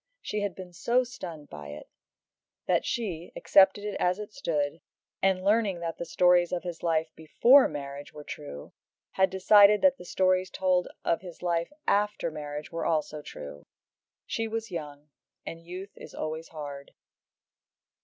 She had been so stunned by it, that she, accepted it as it stood, and learning that the stories of his life before marriage were true, had decided that the stories told of his life after marriage were true also. She was young, and youth is always hard.